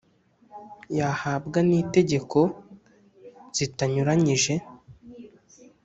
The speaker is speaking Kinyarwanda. Yahabwa n itegeko zitanyuranyije